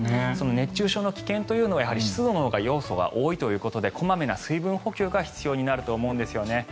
熱中症の危険というのは湿度のほうが要素が多いということで小まめな水分補給が必要になると思うんですね。